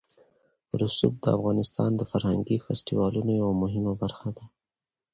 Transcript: رسوب د افغانستان د فرهنګي فستیوالونو یوه مهمه برخه ده.